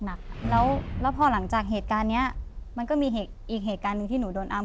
แล้วแล้วพอหลังจากเหตุการณ์เนี้ยมันก็มีอีกเหตุการณ์หนึ่งที่หนูโดนอ้ำ